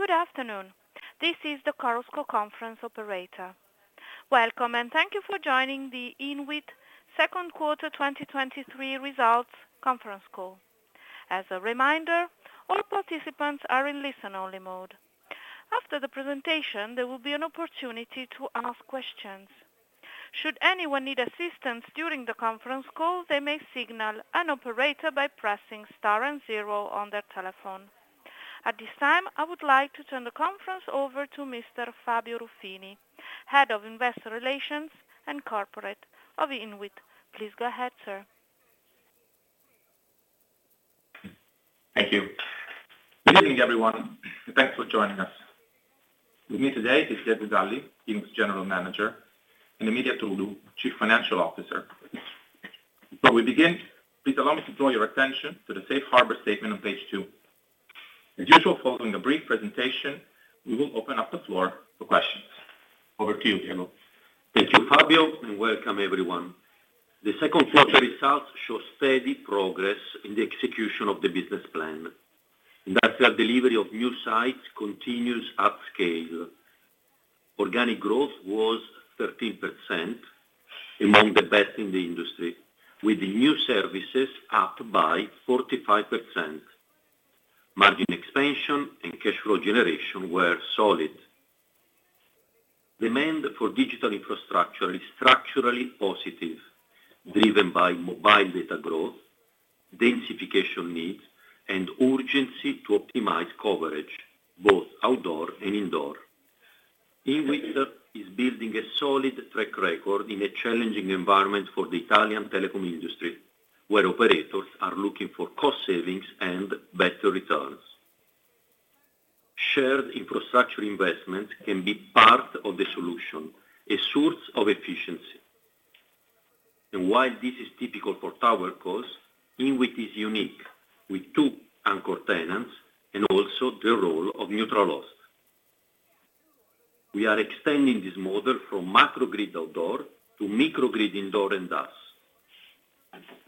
Good afternoon. This is the Chorus Call Conference operator. Welcome, and thank you for joining the INWIT second quarter 2023 results conference call. As a reminder, all participants are in listen-only mode. After the presentation, there will be an opportunity to ask questions. Should anyone need assistance during the conference call, they may signal an operator by pressing star and zero on their telephone. At this time, I would like to turn the conference over to Mr. Fabio Ruffini, Head of Investor Relations and Corporate of INWIT. Please go ahead, sir. Thank you. Good evening, everyone, and thanks for joining us. With me today is Diego Galli, INWIT's General Manager, and Emilia Trudu, Chief Financial Officer. Before we begin, please allow me to draw your attention to the safe harbor statement on page two. As usual, following a brief presentation, we will open up the floor for questions. Over to you, Diego. Thank you, Fabio, and welcome everyone. The second quarter results show steady progress in the execution of the business plan. Industrial delivery of new sites continues at scale. Organic growth was 13%, among the best in the industry, with the new services up by 45%. Margin expansion and cash flow generation were solid. Demand for digital infrastructure is structurally positive, driven by mobile data growth, densification needs, and urgency to optimize coverage, both outdoor and indoor. INWIT is building a solid track record in a challenging environment for the Italian telecom industry, where operators are looking for cost savings and better returns. Shared infrastructure investment can be part of the solution, a source of efficiency. While this is typical for tower costs, INWIT is unique, with two anchor tenants and also the role of neutral host. We are extending this model from macro grid outdoor to micro grid indoor and DAS.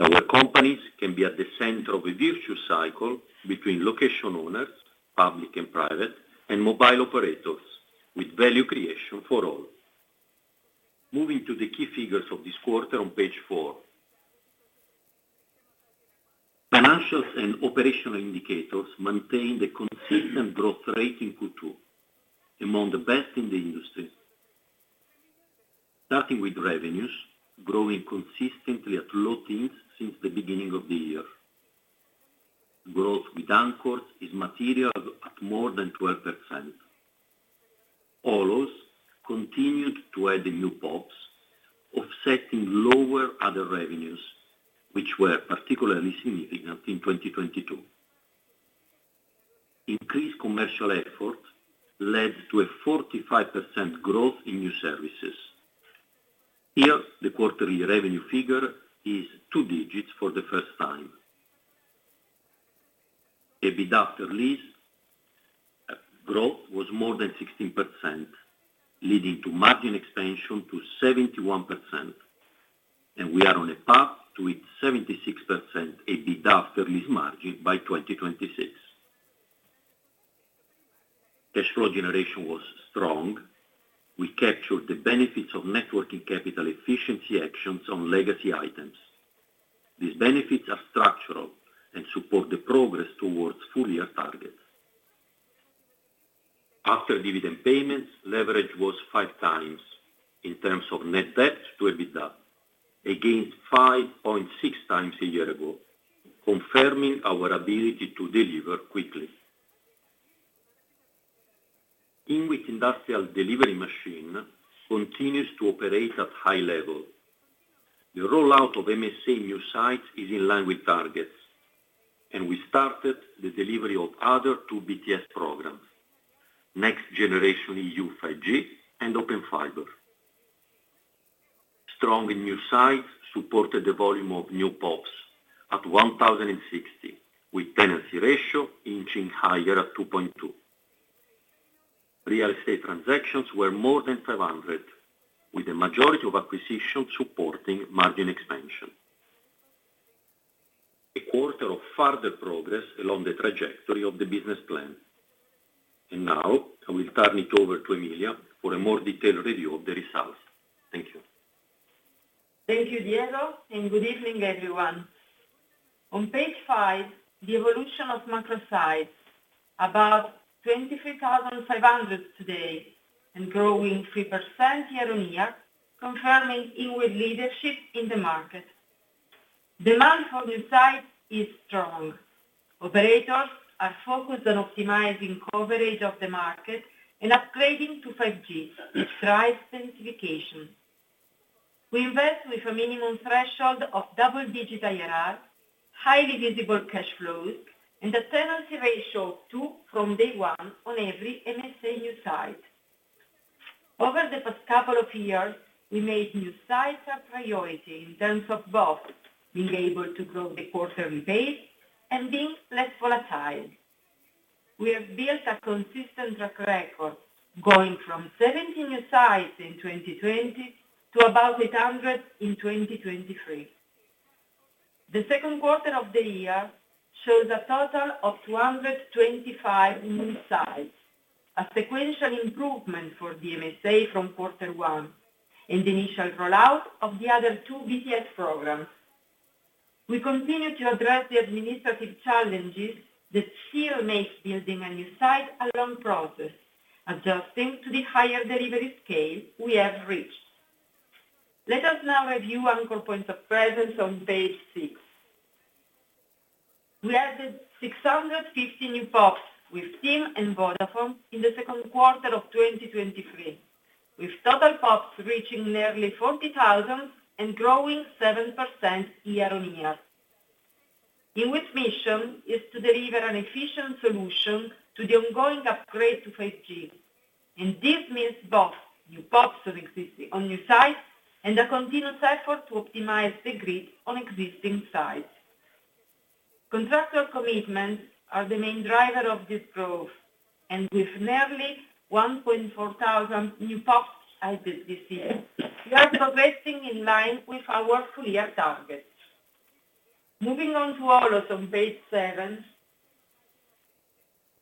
Our companies can be at the center of a virtual cycle between location owners, public and private, and mobile operators, with value creation for all. Moving to the key figures of this quarter on page four. Financial and operational indicators maintain the consistent growth rate in Q2, among the best in the industry. Starting with revenues, growing consistently at low teens since the beginning of the year. Growth with anchors is material at more than 12%. OLOs continued to add new PoPs, offsetting lower other revenues, which were particularly significant in 2022. Increased commercial effort led to a 45% growth in new services. Here, the quarterly revenue figure is two digits for the first time. EBITDA after lease growth was more than 16%, leading to margin expansion to 71%. We are on a path to hit 76% EBITDA after lease margin by 2026. Cash flow generation was strong. We captured the benefits of networking capital efficiency actions on legacy items. These benefits are structural and support the progress towards full year targets. After dividend payments, leverage was 5x in terms of net debt to EBITDA, against 5.6x a year ago, confirming our ability to deliver quickly. INWIT industrial delivery machine continues to operate at high level. The rollout of MSA new site is in line with targets. We started the delivery of other two BTS programs, NextGenerationEU 5G and Open Fiber. Strong in new sites, supported the volume of new PoPs at 1,060, with tenancy ratio inching higher at 2.2. Real estate transactions were more than 500, with the majority of acquisitions supporting margin expansion. A quarter of further progress along the trajectory of the business plan. Now, I will turn it over to Emilia for a more detailed review of the results. Thank you. Thank you, Diego. Good evening, everyone. On page five, the evolution of macro sites, about 23,500 today and growing 3% year-on-year, confirming INWIT leadership in the market. Demand for new sites is strong. Operators are focused on optimizing coverage of the market and upgrading to 5G, drive densification. We invest with a minimum threshold of double-digit IRR, highly visible cash flows, and a tenancy ratio of 2 from day one on every MSA new site. Over the past couple of years, we made new sites a priority in terms of both being able to grow the quarterly base and being less volatile. We have built a consistent track record, going from 17 new sites in 2020 to about 800 in 2023. The second quarter of the year shows a total of 225 new sites, a sequential improvement for DMSA from quarter one, and the initial rollout of the other two BTS programs. We continue to address the administrative challenges that still makes building a new site a long process, adjusting to the higher delivery scale we have reached. Let us now review anchor points of presence on page six. We added 650 new PoPs with TIM and Vodafone in the second quarter of 2023, with total PoPs reaching nearly 40,000 and growing 7% year-on-year. INWIT's mission is to deliver an efficient solution to the ongoing upgrade to 5G, and this means both new PoPs on new sites and a continuous effort to optimize the grid on existing sites. Contractor commitments are the main driver of this growth. With nearly 1,400 new PoPs added this year, we are progressing in line with our full year targets. Moving on to OLOs, page seven.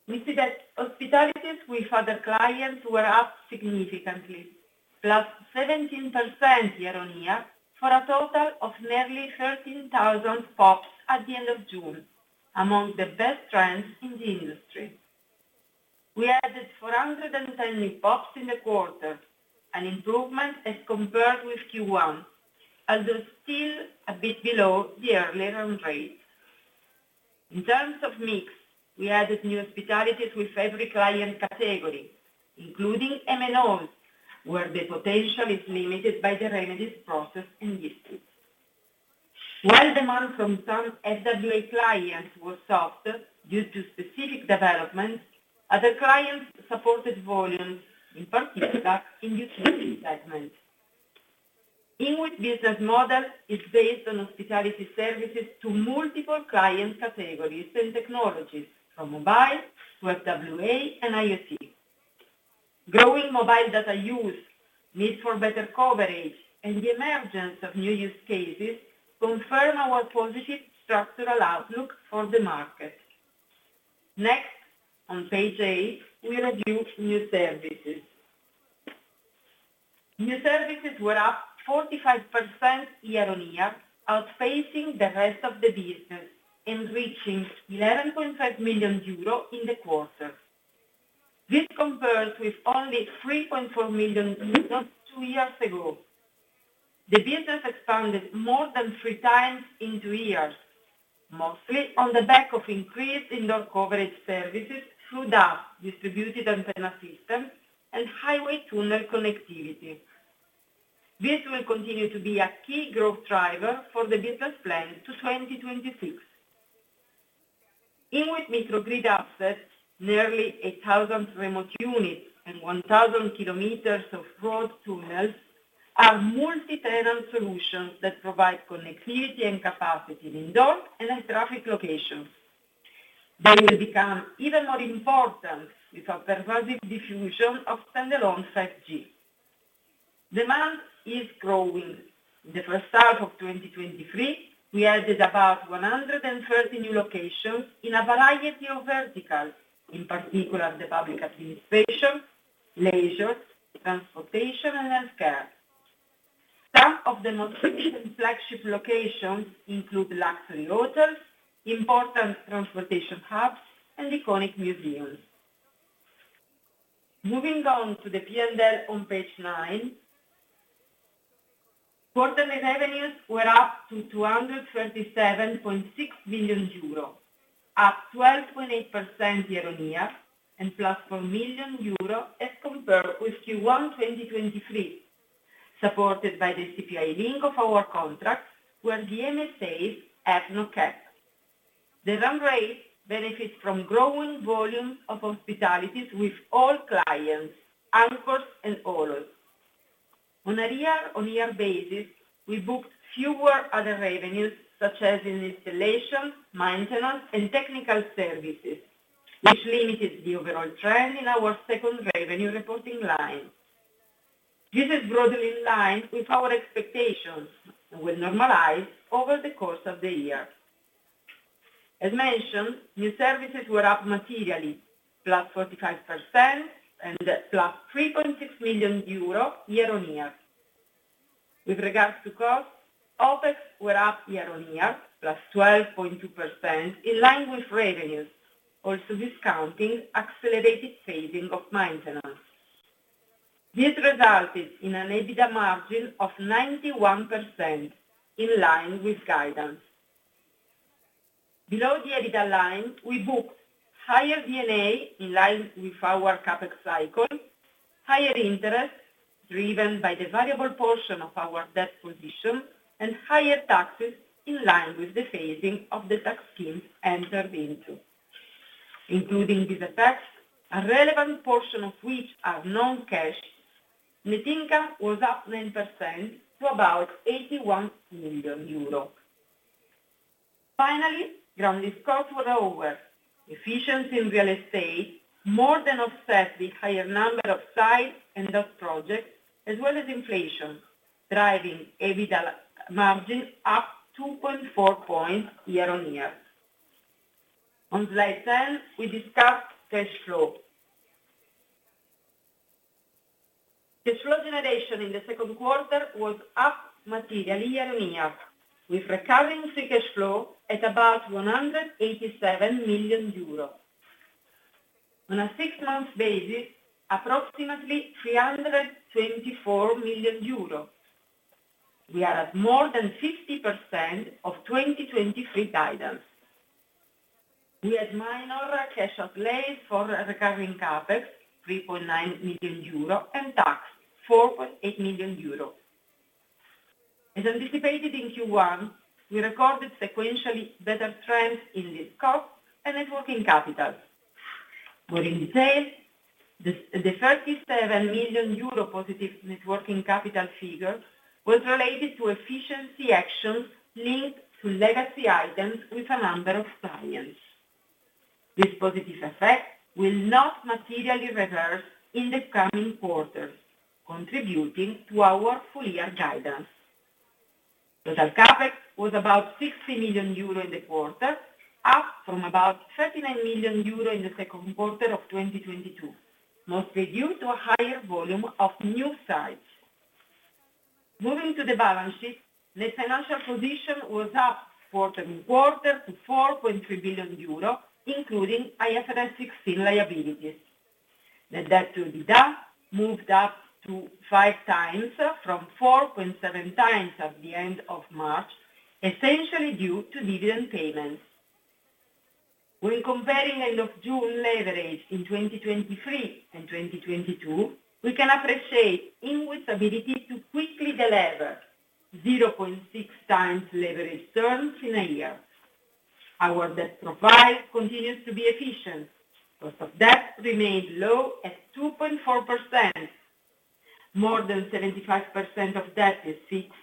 We see that hospitalities with other clients were up significantly, +17% year-on-year, for a total of nearly 13,000 PoPs at the end of June, among the best trends in the industry. We added 410 new PoPs in the quarter, an improvement as compared with Q1, although still a bit below the earlier run rate. In terms of mix, we added new hospitalities with every client category, including MNO, where the potential is limited by the remedies process in district. While demand from some FWA clients was softer due to specific developments, other clients supported volumes, in particular, in segment. INWIT business model is based on hospitality services to multiple client categories and technologies, from mobile to FWA and IoT. Growing mobile data use, need for better coverage, and the emergence of new use cases confirm our positive structural outlook for the market. Next, on page eight, we review new services. New services were up 45% year-on-year, outpacing the rest of the business and reaching 11.5 million euro in the quarter. This compares with only 3.4 million euros just two years ago. The business expanded more than three times in two years, mostly on the back of increase in indoor coverage services through DAS, Distributed Antenna System, and highway tunnel connectivity. This will continue to be a key growth driver for the business plan to 2026. INWIT micro grid assets, nearly 1,000 remote units and 1,000 km of road tunnels, are multi-tenant solutions that provide connectivity and capacity in indoor and traffic locations. They will become even more important with a pervasive diffusion of standalone 5G. Demand is growing. In the first half of 2023, we added about 130 new locations in a variety of verticals, in particular, the public administration, leisure, transportation, and healthcare. Some of the most flagship locations include luxury hotels, important transportation hubs, and iconic museums. Moving on to the P&L on page nine. Quarterly revenues were up to 237.6 billion euro, up 12.8% year-on-year, and +4 million euro as compared with Q1 2023, supported by the CPI link of our contract, where DMSAs have no cap. The run rate benefits from growing volumes of hospitalities with all clients, anchors and all. On a year-on-year basis, we booked fewer other revenues, such as in installation, maintenance, and technical services, which limited the overall trend in our second revenue reporting line. This is broadly in line with our expectations and will normalize over the course of the year. New services were up materially, +45% and +3.6 million euros year-on-year. With regards to costs, OpEx were up year-on-year, +12.2%, in line with revenues, also discounting accelerated phasing of maintenance. This resulted in an EBITDA margin of 91%, in line with guidance. Below the EBITDA line, we booked higher D&A, in line with our CapEx cycle, higher interest, driven by the variable portion of our debt position, and higher taxes in line with the phasing of the tax schemes entered into. Including these effects, a relevant portion of which are non-cash, net income was up 9% to about EUR 81 million. Ground lease costs were lower. Efficiency in real estate more than offset the higher number of sites and those projects, as well as inflation, driving EBITDA margin up 2.4 points year-on-year. On slide 10, we discuss cash flow. Cash flow generation in the second quarter was up materially year-on-year, with recurring free cash flow at about 187 million euro. On a six-month basis, approximately 324 million euro. We are at more than 50% of 2023 guidance. We had minor cash outlays for recurring CapEx, 3.9 million euro, and tax, 4.8 million euro. As anticipated in Q1, we recorded sequentially better trends in the scope and networking capital. More in detail, the 37 million euro positive networking capital figure was related to efficiency actions linked to legacy items with a number of clients. This positive effect will not materially reverse in the coming quarters, contributing to our full year guidance. Total CapEx was about 60 million euro in the quarter, up from about 39 million euro in the second quarter of 2022, mostly due to a higher volume of new sites. Moving to the balance sheet, the financial position was up for the quarter to 4.3 billion euro, including IFRS 16 liabilities. The debt-to-EBITDA moved up to 5x from 4.7x at the end of March, essentially due to dividend payments. When comparing end of June leverage in 2023 and 2022, we can appreciate INWIT's ability to quickly deliver 0.6x leverage terms in a year. Our debt profile continues to be efficient. Cost of debt remained low at 2.4%. More than 75% of debt is fixed,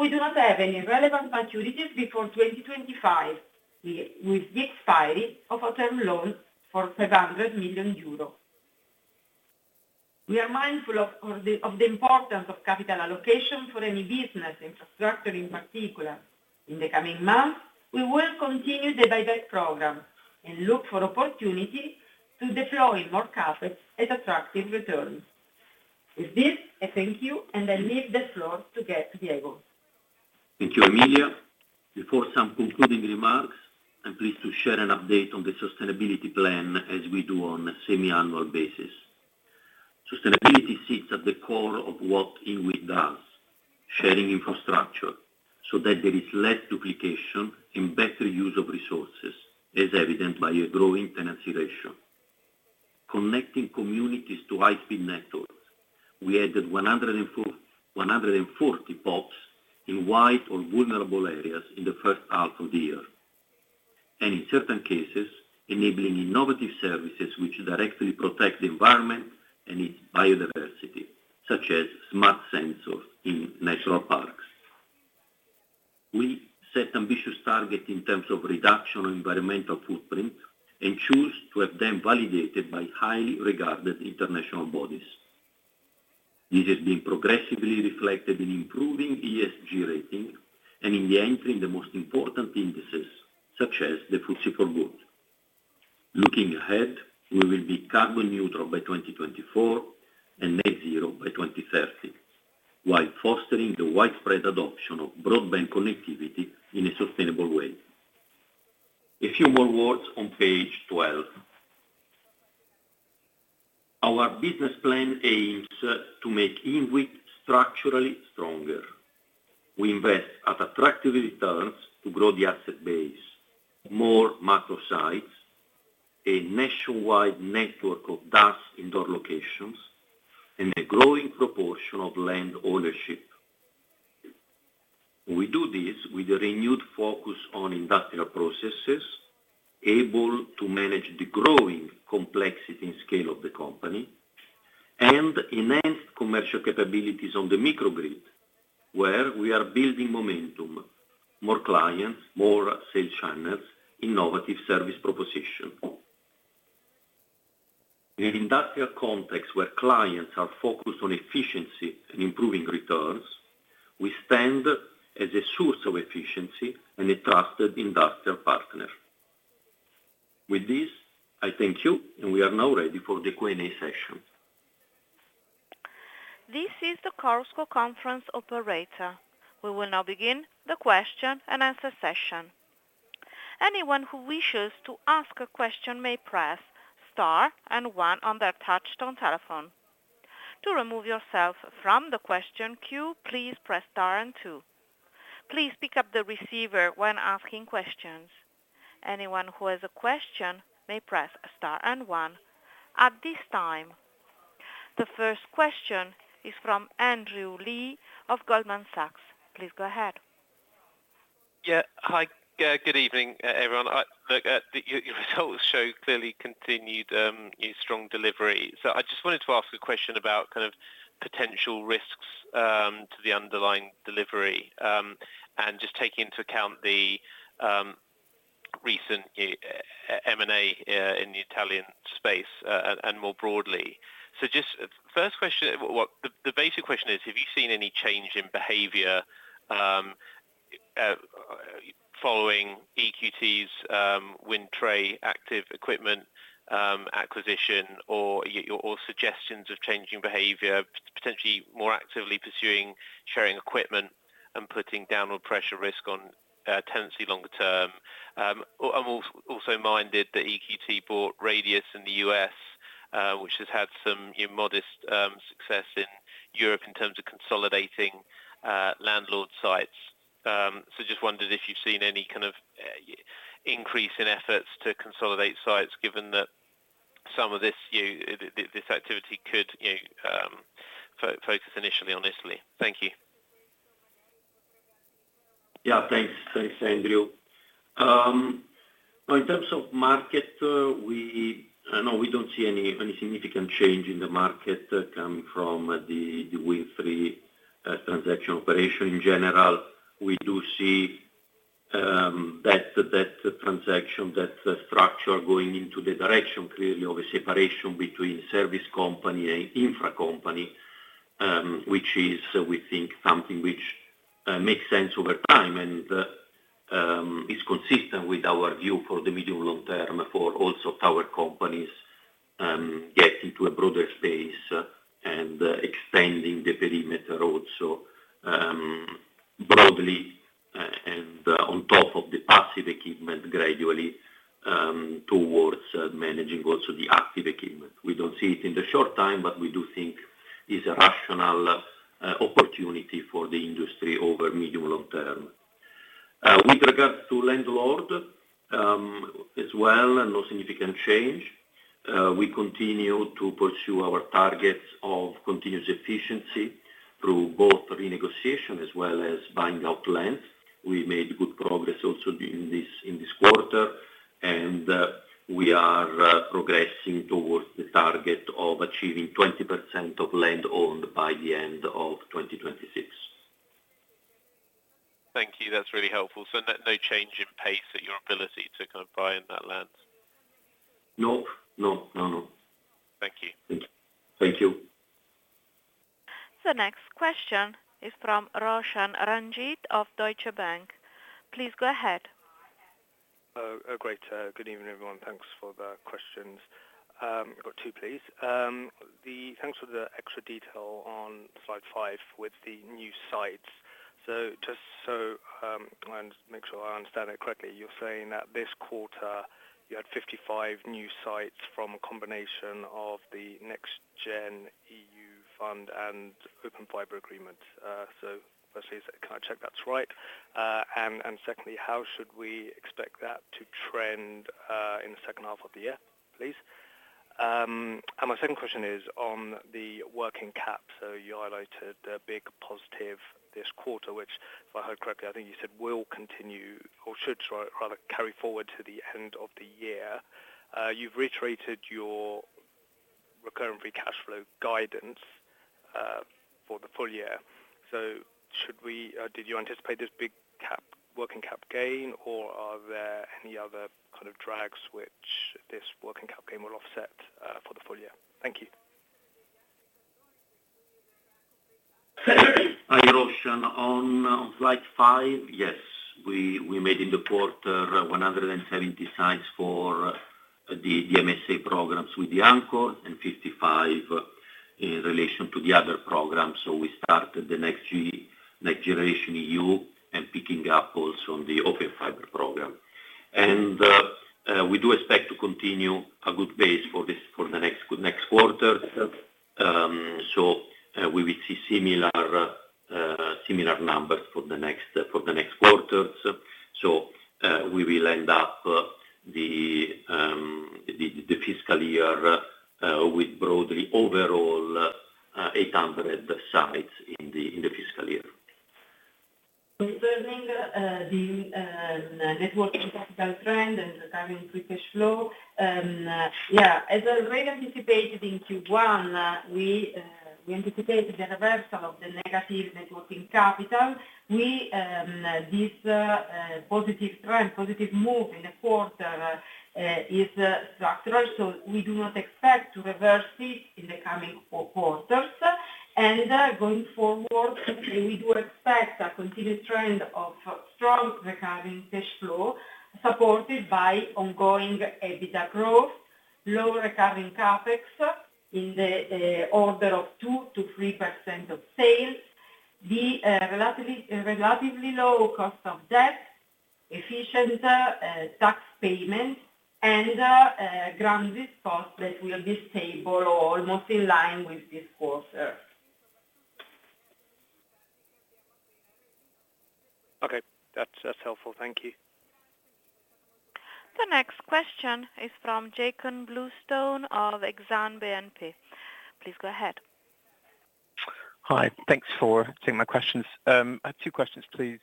we do not have any relevant maturities before 2025, with the expiry of a term loan for 700 million euro. We are mindful of the importance of capital allocation for any business, infrastructure in particular. In the coming months, we will continue the buyback program and look for opportunity to deploy more CapEx at attractive returns. With this, I thank you, and I leave the floor to Diego. Thank you, Emilia. Before some concluding remarks, I'm pleased to share an update on the sustainability plan, as we do on a semi-annual basis. Sustainability sits at the core of what INWIT does, sharing infrastructure so that there is less duplication and better use of resources, as evident by a growing tenancy ratio. Connecting communities to high-speed networks, we added 140 PoPs in wide or vulnerable areas in the first half of the year. In certain cases, enabling innovative services which directly protect the environment and its biodiversity, such as smart sensors in national parks. We set ambitious targets in terms of reduction on environmental footprint and choose to have them validated by highly regarded international bodies. This has been progressively reflected in improving ESG rating and in the entry in the most important indices, such as the FTSE4Good. Looking ahead, we will be carbon neutral by 2024 and net zero by 2030, while fostering the widespread adoption of broadband connectivity in a sustainable way. A few more words on page 12. Our business plan aims to make INWIT structurally stronger. We invest at attractive returns to grow the asset base, more macro sites, a nationwide network of DAS indoor locations, and a growing proportion of land ownership. We do this with a renewed focus on industrial processes, able to manage the growing complexity and scale of the company, and enhanced commercial capabilities on the micro grid, where we are building momentum, more clients, more sales channels, innovative service proposition. In an industrial context where clients are focused on efficiency and improving returns, we stand as a source of efficiency and a trusted industrial partner. With this, I thank you, and we are now ready for the Q&A session. This is the Chorus Call Conference operator. We will now begin the question and answer session. Anyone who wishes to ask a question may press star and one on their touchtone telephone. To remove yourself from the question queue, please press star and two. Please pick up the receiver when asking questions. Anyone who has a question may press star and one. At this time, the first question is from Andrew Lee of Goldman Sachs. Please go ahead. Yeah. Hi, good evening, everyone. Look, your results show clearly continued strong delivery. I just wanted to ask a question about kind of potential risks to the underlying delivery. Just taking into account the recent M&A in the Italian space and more broadly. Just first question, the basic question is, have you seen any change in behavior following EQT's Wind Tre active equipment acquisition, or suggestions of changing behavior, potentially more actively pursuing sharing equipment and putting downward pressure risk on tenancy longer term? Or also minded that EQT bought Radius in the U.S., which has had some modest success in Europe in terms of consolidating landlord sites. Just wondered if you've seen any kind of, increase in efforts to consolidate sites, given that some of this this activity could, you know, focus initially on Italy. Thank you. Thanks. Thanks, Andrew. In terms of market, we, no, we don't see any significant change in the market coming from the Wind Tre transaction operation. In general, we do see that transaction, that structure going into the direction, clearly, of a separation between service company and infra company, which is, we think, something which makes sense over time, and is consistent with our view for the medium long term, for also tower companies, getting to a broader space, and expanding the perimeter also broadly, and on top of the passive equipment, gradually, towards managing also the active equipment. We don't see it in the short time, but we do think it's a rational opportunity for the industry over medium long term. With regards to landlord, as well, no significant change. We continue to pursue our targets of continuous efficiency through both renegotiation as well as buying out land. We made good progress also in this, in this quarter. We are progressing towards the target of achieving 20% of land owned by the end of 2026. Thank you. That's really helpful. No, no change in pace at your ability to kind of buy in that land? No. No, no. Thank you. Thank you. The next question is from Roshan Ranjit of Deutsche Bank. Please go ahead. Great. Good evening, everyone. Thanks for the questions. I've got two, please. Thanks for the extra detail on slide five with the new sites. Just so, and make sure I understand it correctly, you're saying that this quarter you had 55 new sites from a combination of the NextGenEU fund and Open Fiber agreement. Firstly, can I check that's right? Secondly, how should we expect that to trend in the second half of the year, please? My second question is on the working cap. You highlighted a big positive this quarter, which, if I heard correctly, I think you said, will continue or should rather carry forward to the end of the year. You've reiterated your recurrent free cash flow guidance for the full year. Should we, did you anticipate this big cap, working cap gain, or are there any other kind of drags which this working cap gain will offset for the full year? Thank you. Hi, Roshan. On slide five, yes, we made in the quarter 170 sites for the MSA programs with the anchor and 55 in relation to the other programs. We started the NextGenerationEU and picking up also on the Open Fiber program. We do expect to continue a good base for this, for the next quarter. We will see similar numbers for the next quarters. We will end up the fiscal year with broadly overall 800 sites in the fiscal year. Concerning the net working capital trend and the current free cash flow, as already anticipated in Q1, we anticipated the reversal of the negative net working capital. This positive trend, positive move in the quarter, is structural, so we do not expect to reverse this in the coming quarters. Going forward, we do expect a continued trend of strong recurring cash flow, supported by ongoing EBITDA growth, low recurring CapEx in the order of 2%-3% of sales, the relatively low cost of debt, efficient tax payment, and ground lease costs that will be stable or almost in line with this quarter. Okay. That's helpful. Thank you. The next question is from Jakob Bluestone of Exane BNP. Please go ahead. Hi, thanks for taking my questions. I have two questions, please.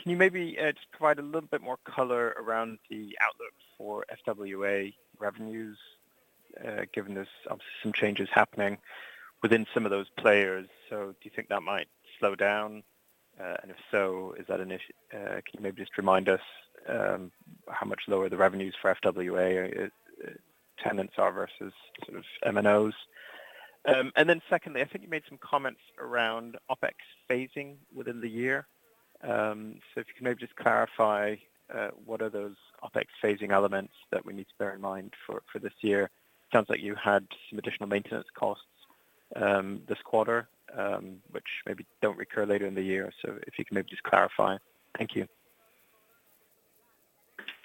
Can you maybe just provide a little bit more color around the outlook for FWA revenues, given there's obviously some changes happening within some of those players. Do you think that might slow down? If so, is that an issue? Can you maybe just remind us how much lower the revenues for FWA tenants are versus sort of MNOs? Secondly, I think you made some comments around OpEx phasing within the year. If you could maybe just clarify what are those OpEx phasing elements that we need to bear in mind for this year? Sounds like you had some additional maintenance costs this quarter, which maybe don't recur later in the year. If you can maybe just clarify. Thank you.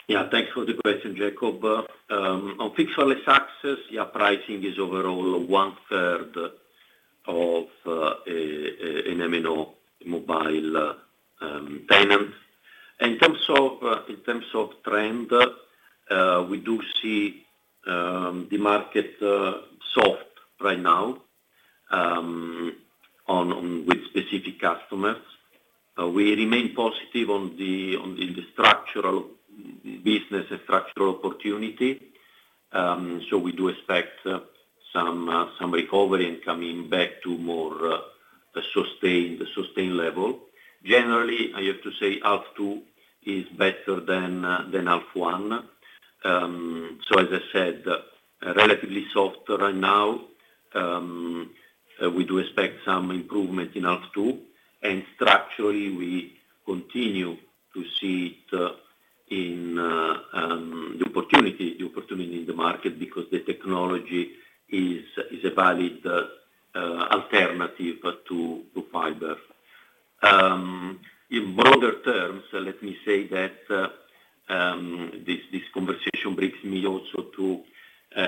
Yeah, thanks for the question, Jakob. On fixed wireless access, yeah, pricing is overall 1/3 of an MNO mobile tenant. In terms of trend, we do see the market soft right now on with specific customers. We remain positive on the structural business and structural opportunity. We do expect some recovery and coming back to more sustained level. Generally, I have to say, half two is better than half one. As I said, relatively soft right now. We do expect some improvement in half two, and structurally, we continue to see the opportunity in the market because the technology is a valid alternative to fiber. In broader terms, let me say that this conversation brings me also to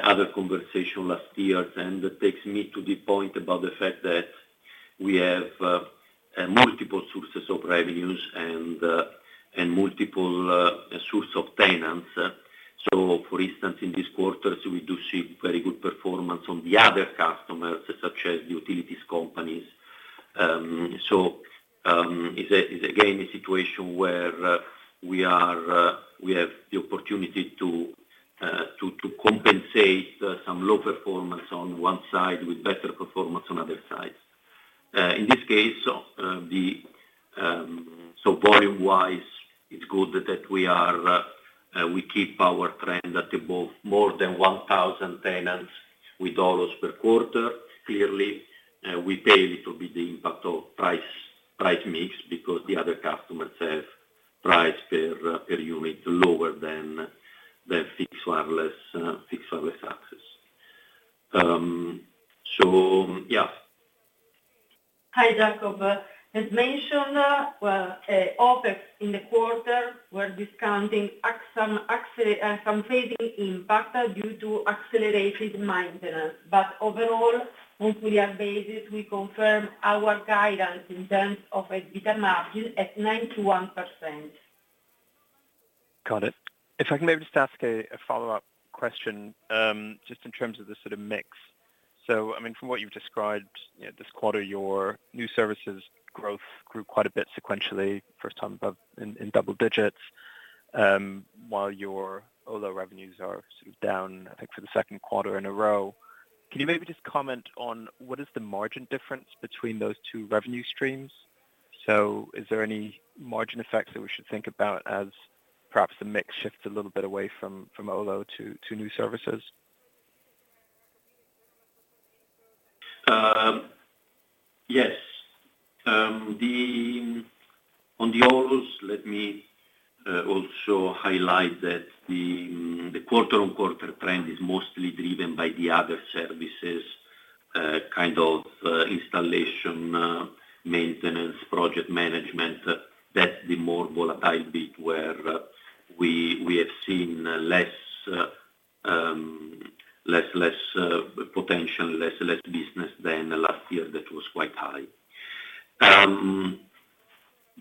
other conversation last year, and it takes me to the point about the fact that we have multiple sources of revenues and multiple source of tenants. For instance, in this quarter, we do see very good performance on the other customers, such as utilities companies. It's again, a situation where we are, we have the opportunity to compensate some low performance on one side with better performance on other sides. In this case, the volume-wise, it's good that we are, we keep our trend at above more than 1,000 tenants with dollars per quarter. Clearly, we pay a little bit the impact of price mix because the other customers have price per unit lower than the fixed wireless access. Yeah. Hi, Jakob. As mentioned, OpEx in the quarter, we're discounting some phasing impact due to accelerated maintenance. Overall, on clear basis, we confirm our guidance in terms of EBITDA margin at 91%. Got it. If I can maybe just ask a follow-up question, just in terms of the sort of mix. I mean, from what you've described, you know, this quarter, your new services growth grew quite a bit sequentially, first time above in double digits, while your OLO revenues are sort of down, I think, for the second quarter in a row. Can you maybe just comment on what is the margin difference between those two revenue streams? Is there any margin effects that we should think about as perhaps the mix shifts a little bit away from OLO to new services? Yes. On the OLOs, let me also highlight that the quarter-on-quarter trend is mostly driven by the other services, kind of, installation, maintenance, project management. That's the more volatile bit where we have seen less potential, less business than the last year that was quite high.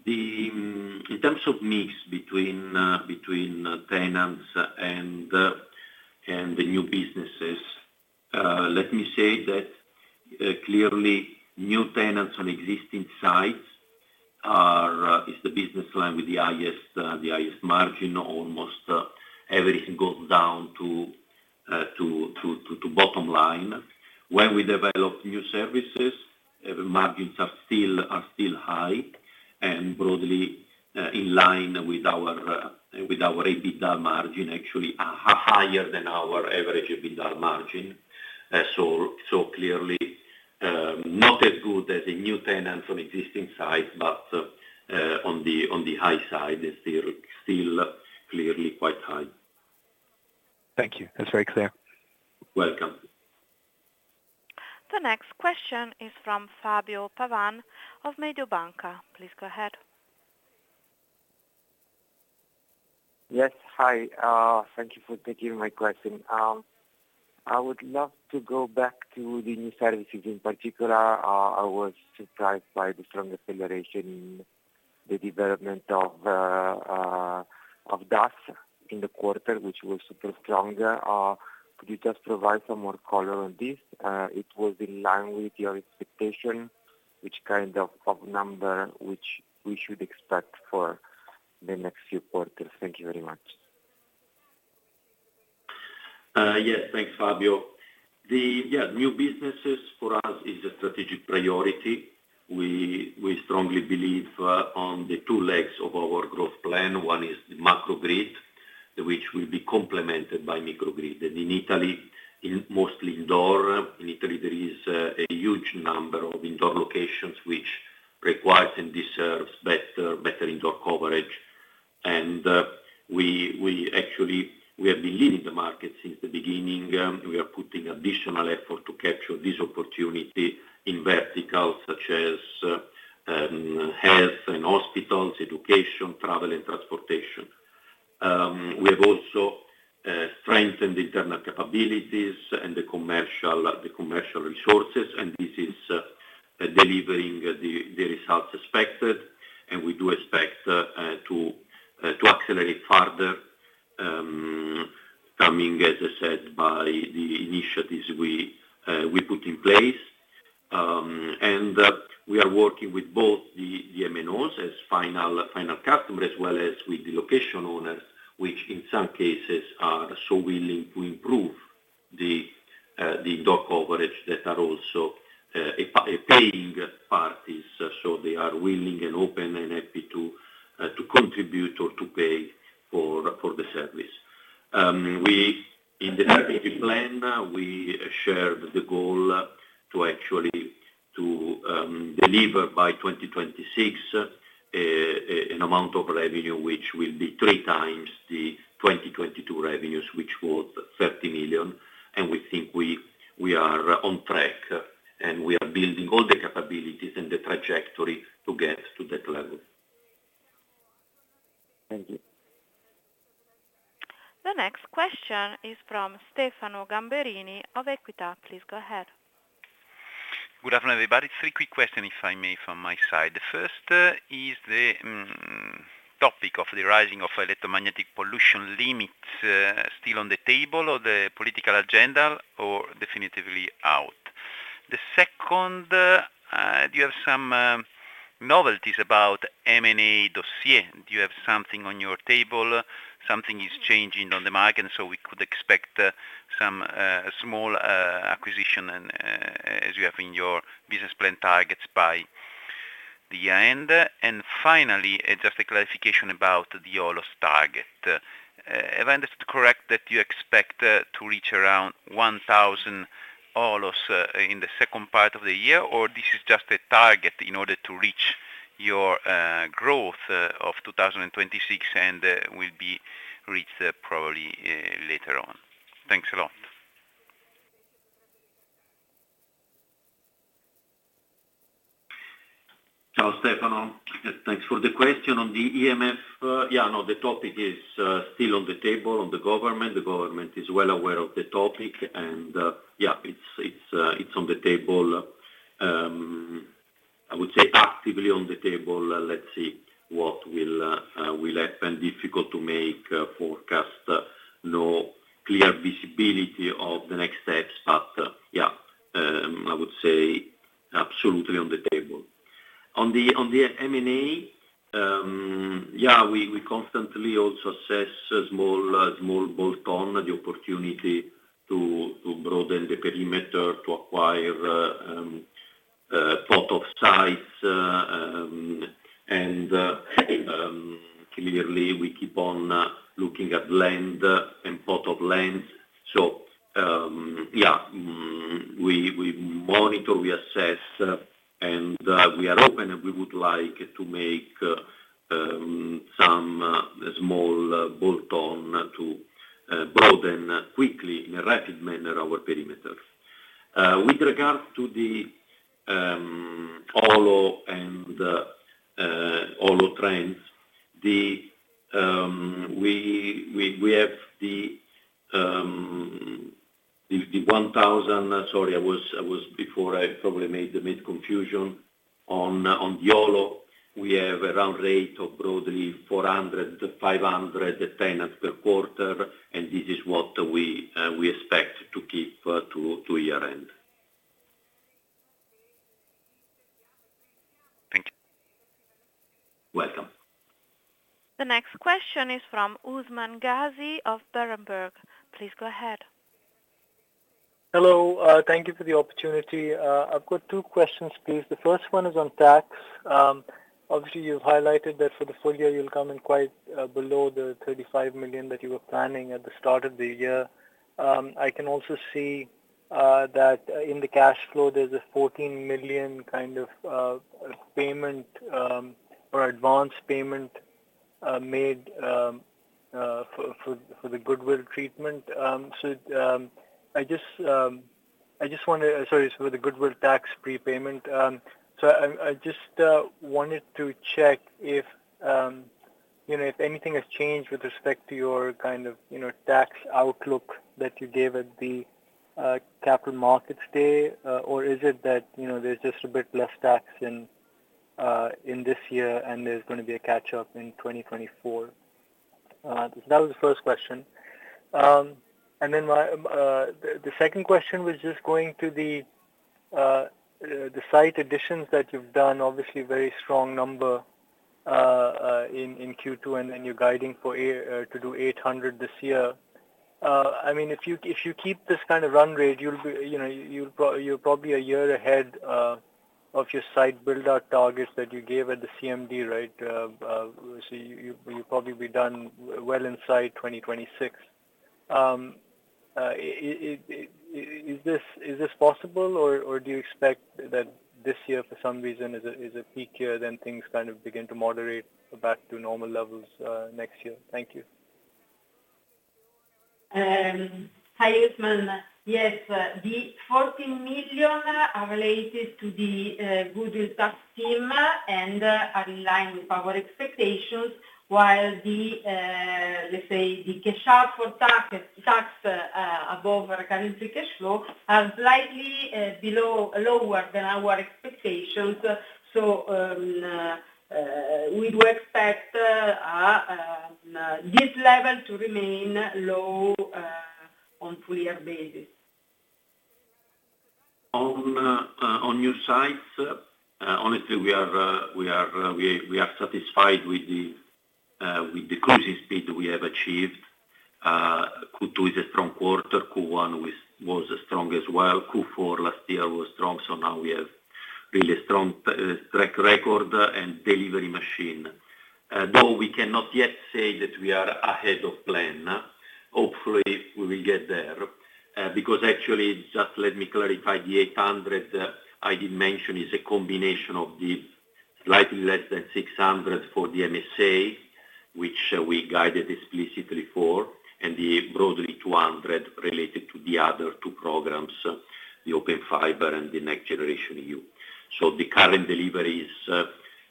In terms of mix between tenants and the new businesses, let me say that, clearly, new tenants on existing sites are is the business line with the highest margin. Almost everything goes down to bottom line. When we develop new services, margins are still high and broadly in line with our EBITDA margin, actually, higher than our average EBITDA margin. Clearly, not as good as a new tenant on existing site, but on the high side, it's still clearly quite high. Thank you. That's very clear. Welcome. The next question is from Fabio Pavan of Mediobanca. Please go ahead. Yes, hi. Thank you for taking my question. I would love to go back to the new services. In particular, I was surprised by the strong acceleration in the development of,... of DAS in the quarter, which was super strong. Could you just provide some more color on this? It was in line with your expectation, which kind of number, which we should expect for the next few quarters. Thank you very much. Yes, thanks, Fabio. The, yeah, new businesses for us is a strategic priority. We strongly believe on the two legs of our growth plan. One is the macro grid, which will be complemented by micro grid. In Italy, in mostly indoor, in Italy, there is a huge number of indoor locations which requires and deserves better indoor coverage. We actually, we have been leading the market since the beginning, we are putting additional effort to capture this opportunity in verticals such as health and hospitals, education, travel, and transportation. We have also strengthened the internal capabilities and the commercial resources, and this is delivering the results expected, and we do expect to accelerate further, coming, as I said, by the initiatives we put in place. We are working with both the MNOs as final customer, as well as with the location owners, which in some cases are so willing to improve the indoor coverage that are also a paying parties. They are willing and open and happy to contribute or to pay for the service. We, in the strategic plan, we shared the goal actually to deliver by 2026 an amount of revenue, which will be 3x the 2022 revenues, which was 30 million, we think we are on track, and we are building all the capabilities and the trajectory to get to that level. Thank you. The next question is from Stefano Gamberini of Equita. Please go ahead. Good afternoon, everybody. Three quick questions, if I may, from my side. The first is the topic of the rising of electromagnetic pollution limits still on the table or the political agenda or definitively out? The second, do you have some novelties about M&A dossier? Do you have something on your table? Something is changing on the market, we could expect some small acquisition and as you have in your business plan targets by the end. Finally, just a clarification about the OLOs target. Have I understood correct that you expect to reach around 1,000 OLOs in the second part of the year, or this is just a target in order to reach your growth of 2026 and will be reached probably later on? Thanks a lot. Ciao, Stefano. Thanks for the question. On the EMF, yeah, no, the topic is still on the table, on the government. The government is well aware of the topic, and yeah, it's on the table, I would say, actively on the table. Let's see what will happen. Difficult to make forecast, no clear visibility of the next steps, but yeah, I would say absolutely on the table. On the M&A, yeah, we constantly also assess small bolt-on, the opportunity to broaden the perimeter, to acquire port of size, and clearly, we keep on looking at land and port of land. We monitor, we assess, and we are open, and we would like to make some small bolt-on to broaden quickly, in a rapid manner, our perimeters. With regards to the OLOs and the OLOs trends, we have the 51,000... Sorry, I was, before I probably made a mid confusion. On the OLOs, we have around rate of broadly 400-500 tenants per quarter, and this is what we expect to keep to year-end. Thank you. Welcome. The next question is from Usman Ghazi of Berenberg. Please go ahead. Hello. Thank you for the opportunity. I've got two questions, please. The first one is on tax. Obviously, you've highlighted that for the full year, you'll come in quite below 35 million that you were planning at the start of the year. I can also see that in the cash flow, there's a 14 million kind of payment, or advanced payment made for the goodwill treatment. I just wanted. Sorry, so the goodwill tax prepayment. I just wanted to check if, you know, if anything has changed with respect to your kind of, you know, tax outlook that you gave at the Capital Markets Day? Is it that, you know, there's just a bit less tax in-. in this year, there's going to be a catch-up in 2024? That was the first question. My, the second question was just going to the site additions that you've done, obviously very strong number, in Q2, and you're guiding for a to do 800 this year. I mean, if you, if you keep this kind of run rate, you'll be, you know, you're probably a year ahead, of your site build-out targets that you gave at the CMD, right? You, you'll probably be done well inside 2026. Is this possible, or do you expect that this year, for some reason, is a peak year, then things kind of begin to moderate back to normal levels, next year? Thank you. Hi, Usman. Yes, the 14 million are related to the goodwill tax scheme and are in line with our expectations, while the cash out for tax above our current free cash flow are slightly below, lower than our expectations. We do expect this level to remain low on full year basis. On your sites, honestly, we are satisfied with the closing speed we have achieved. Q2 is a strong quarter. Q1 was strong as well. Q4 last year was strong, so now we have really a strong track record and delivery machine. We cannot yet say that we are ahead of plan. Hopefully, we will get there, because actually, just let me clarify, the 800 I did mention is a combination of the slightly less than 600 for the MSA, which we guided explicitly for, and the broadly 200 related to the other two programs, the Open Fiber and the NextGenerationEU. The current delivery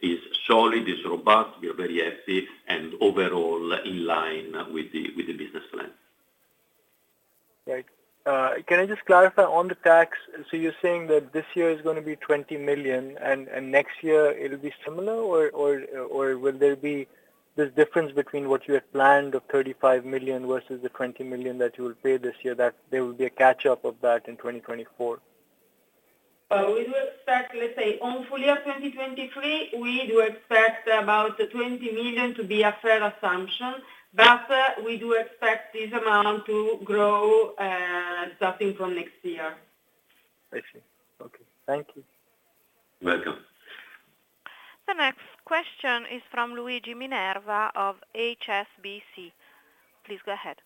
is solid, is robust, we are very happy and overall in line with the business plan. Right. Can I just clarify on the tax? You're saying that this year is going to be 20 million, and next year it'll be similar, or will there be this difference between what you had planned of 35 million versus the 20 million that you will pay this year, that there will be a catch-up of that in 2024? We do expect, let's say, on full year 2023, we do expect about 20 million to be a fair assumption. We do expect this amount to grow, starting from next year. I see. Okay. Thank you. Welcome. The next question is from Luigi Minerva of HSBC. Please go ahead.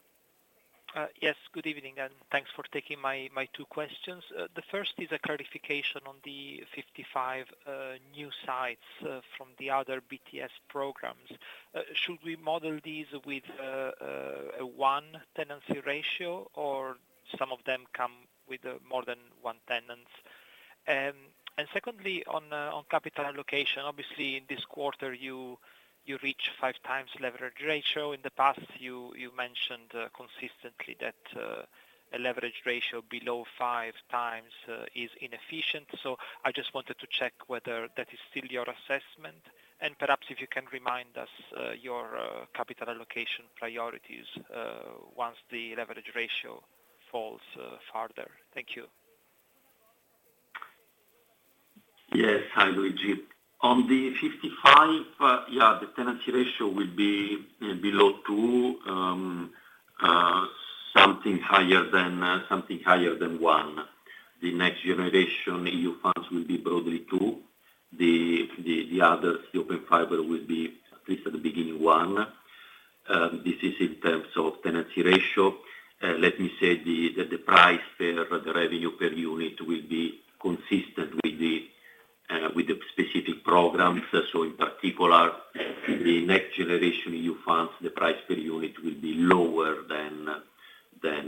Yes, good evening, and thanks for taking my two questions. The first is a clarification on the 55 new sites from the other BTS programs. Should we model these with a 1 tenancy ratio, or some of them come with more than 1 tenants? Secondly, on capital allocation. Obviously, in this quarter, you reached 5x leverage ratio. In the past, you mentioned consistently that a leverage ratio below 5x is inefficient. I just wanted to check whether that is still your assessment, and perhaps if you can remind us your capital allocation priorities once the leverage ratio falls farther. Thank you. Yes. Hi, Luigi. On the 55, yeah, the tenancy ratio will be below 2, something higher than 1. The NextGenerationEU funds will be broadly 2. The other Open Fiber will be at least at the beginning, 1. This is in terms of tenancy ratio. Let me say the price per the revenue per unit will be consistent with the specific programs. In particular, the NextGenerationEU fund the price per unit will be lower than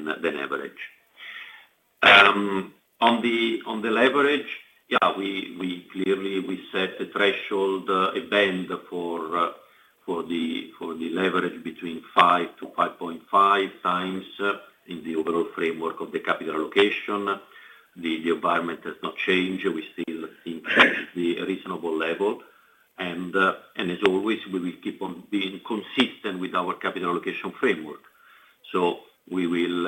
average. On the leverage, yeah, we clearly we set a threshold, a band for the leverage between 5x-5.5x in the overall framework of the capital allocation. The environment has not changed. We still think that's the reasonable level. As always, we will keep on being consistent with our capital allocation framework. We will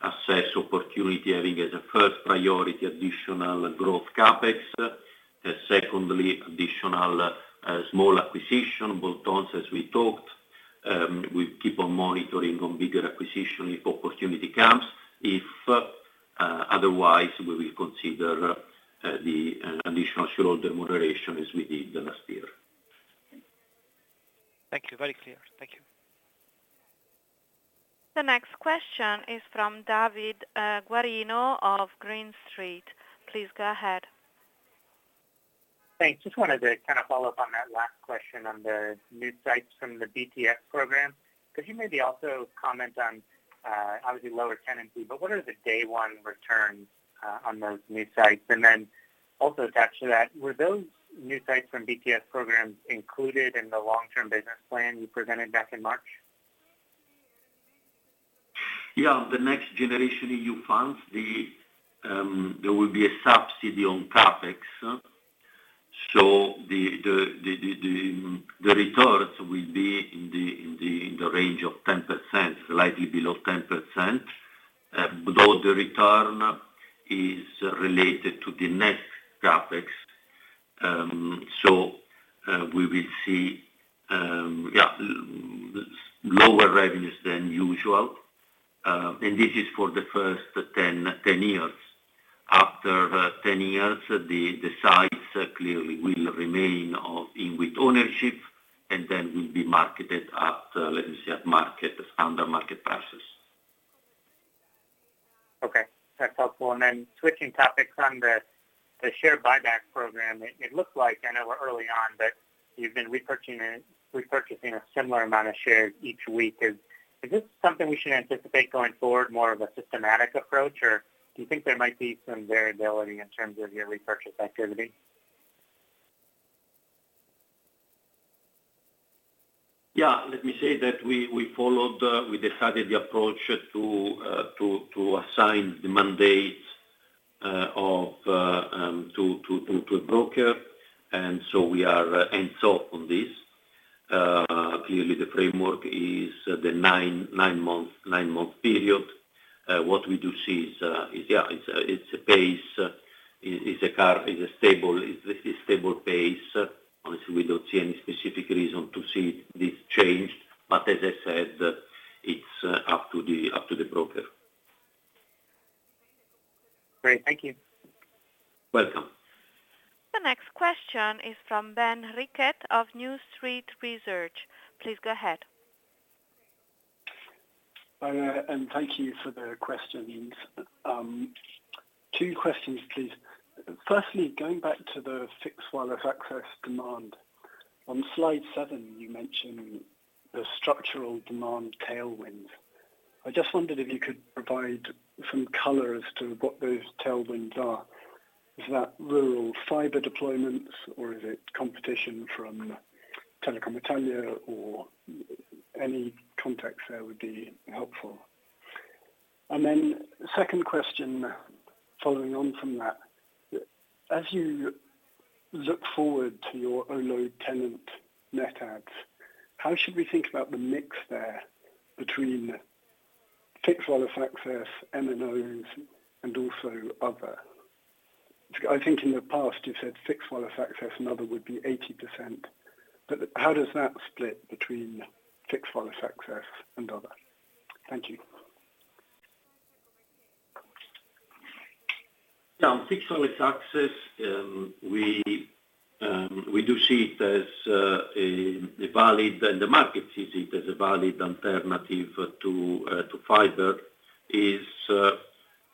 assess opportunity, having as a first priority, additional growth CapEx. Secondly, additional small acquisition, bolt-ons, as we talked. We keep on monitoring on bigger acquisition if opportunity comes. If otherwise, we will consider the additional shareholder remuneration as we did last year. Thank you. Very clear. Thank you. The next question is from David Guarino of Green Street. Please go ahead. Thanks. Just wanted to kind of follow up on that last question on the new sites from the BTS program. Could you maybe also comment on obviously lower tenancy, but what are the day one returns on those new sites? Also attached to that, were those new sites from BTS programs included in the long-term business plan you presented back in March? Yeah, the NextGenerationEU funds, there will be a subsidy on CapEx. The returns will be in the range of 10%, slightly below 10%. The return is related to the next CapEx. We will see, yeah, lower revenues than usual. This is for the first 10 years. After 10 years, the sites clearly will remain of INWIT ownership and then will be marketed at, let me say, standard market prices. Okay, that's helpful. Switching topics on the share buyback program, it looks like I know we're early on, but you've been repurchasing a similar amount of shares each week. Is this something we should anticipate going forward, more of a systematic approach, or do you think there might be some variability in terms of your repurchase activity? Let me say that we followed, we decided the approach to assign the mandate of to a broker. We are hands off on this. Clearly, the framework is the nine-month period. What we do see is, yeah, it's a pace, is a stable pace. Honestly, we don't see any specific reason to see this change, as I said, it's up to the broker. Great, thank you. Welcome. The next question is from Ben Rickett of New Street Research. Please go ahead. Thank you for the questions. Two questions, please. Firstly, going back to the fixed wireless access demand. On slide seven, you mentioned the structural demand tailwind. I just wondered if you could provide some color as to what those tailwinds are. Is that rural fiber deployments, or is it competition from Telecom Italia, or any context there would be helpful? Second question, following on from that, as you look forward to your OLO tenant net adds, how should we think about the mix there between fixed wireless access, MNOs, and also other? I think in the past you've said fixed wireless access and other would be 80%, but how does that split between fixed wireless access and other? Thank you. Yeah, on fixed wireless access, we do see it as a valid, and the market sees it as a valid alternative to fiber. Is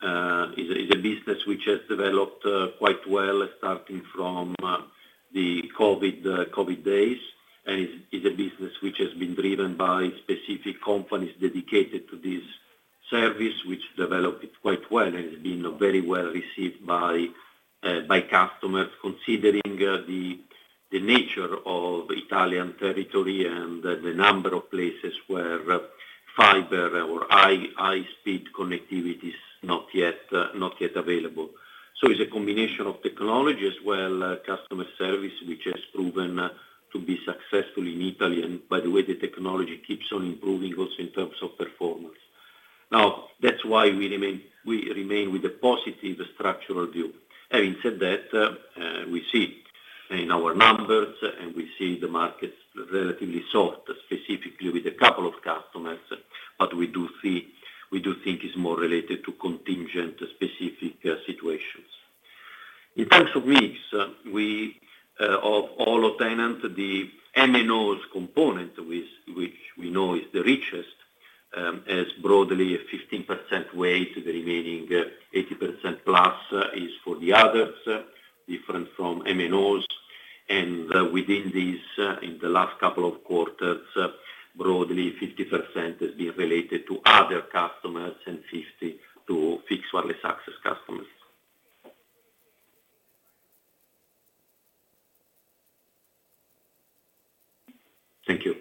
a business which has developed quite well, starting from the COVID days, and is a business which has been driven by specific companies dedicated to this service, which developed it quite well and has been very well received by customers, considering the nature of Italian territory and the number of places where fiber or high, high-speed connectivity is not yet available. It's a combination of technology as well, customer service, which has proven to be successful in Italy, and by the way, the technology keeps on improving also in terms of performance. That's why we remain, we remain with a positive structural view. Having said that, we see in our numbers, and we see the markets relatively soft, specifically with a couple of customers, but we do think it's more related to contingent specific situations. In terms of mix, we, of all tenants, the MNOs component, which we know is the richest, has broadly a 15% weight, the remaining 80% plus is for the others, different from MNOs. Within these, in the last couple of quarters, broadly, 50% has been related to other customers and 50% to fixed wireless access customers. Thank you.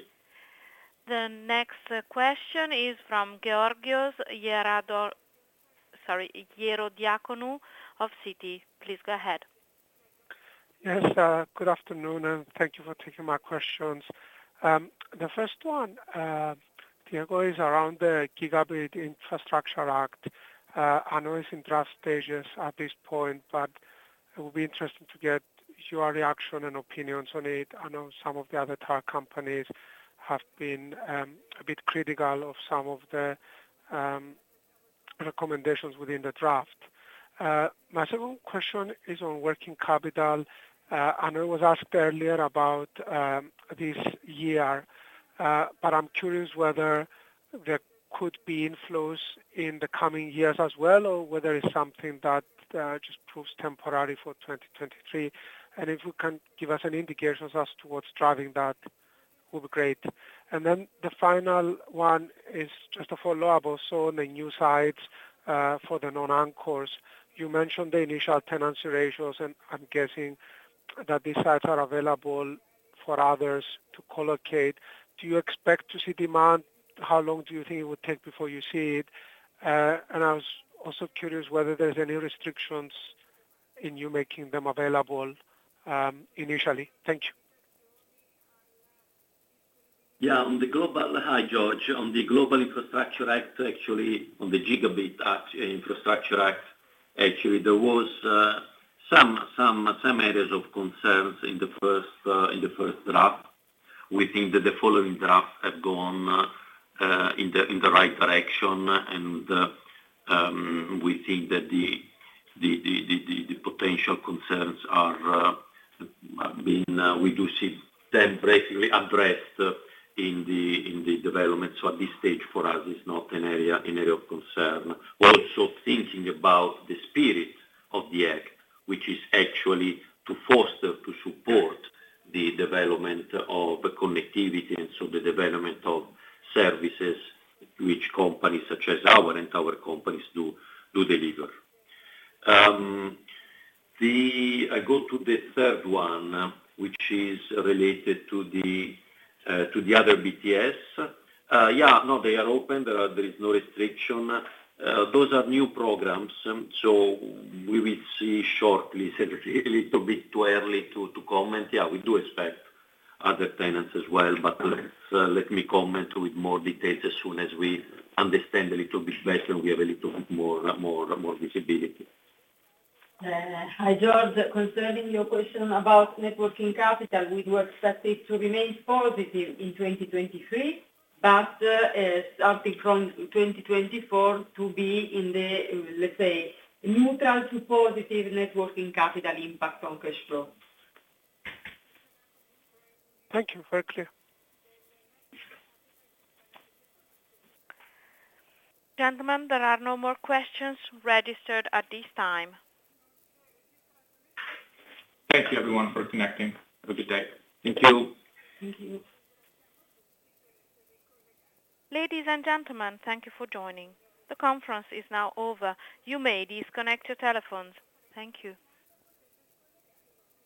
The next question is from Georgios Ierodiaconou... Sorry, Ierodiaconou of Citi. Please go ahead. Yes, good afternoon, thank you for taking my questions. The first one, Diego, is around the Gigabit Infrastructure Act. I know it's in draft stages at this point, it will be interesting to get your reaction and opinions on it. I know some of the other tower companies have been a bit critical of some of the recommendations within the draft. My second question is on working capital. I know it was asked earlier about this year, I'm curious whether there could be inflows in the coming years as well, or whether it's something that just proves temporary for 2023. If you can give us an indication as to what's driving that, will be great. The final one is just a follow-up also on the new sites for the non-anchors. You mentioned the initial tenancy ratios, I'm guessing that these sites are available for others to collocate, do you expect to see demand? How long do you think it would take before you see it? I was also curious whether there's any restrictions in you making them available initially. Thank you. Yeah, hi, George. On the Gigabit Infrastructure Act, actually, there was some areas of concerns in the first in the first draft. We think that the following drafts have gone in the right direction, we think that the potential concerns have been we do see them basically addressed in the development. So at this stage, for us, it's not an area of concern. We're also thinking about the spirit of the act, which is actually to foster, to support the development of connectivity, and so the development of services which companies such as our and tower companies do deliver. I go to the third one, which is related to the other BTS. No, they are open. There is no restriction. Those are new programs, we will see shortly. It's a little bit too early to comment. We do expect other tenants as well, but let's let me comment with more details as soon as we understand a little bit better and we have a little more visibility. Hi, George. Concerning your question about networking capital, we do expect it to remain positive in 2023, but starting from 2024, to be in the, let's say, neutral to positive networking capital impact on cash flow. Thank you. Very clear. Gentlemen, there are no more questions registered at this time. Thank you, everyone, for connecting. Have a good day. Thank you. Thank you. Ladies and gentlemen, thank you for joining. The conference is now over. You may disconnect your telephones. Thank you.